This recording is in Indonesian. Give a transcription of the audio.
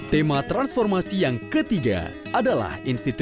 tema transformasi yang ketiga adalah institusi